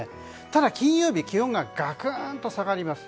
ただ、金曜日は気温ががくんと下がります。